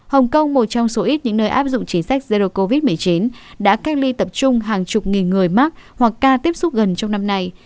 hồng kông một trong số ít những nơi áp dụng chính sách zero covid một mươi chín đã cách ly tập trung hàng chục nghìn người mắc hoặc ca tiếp xúc gần trong năm nay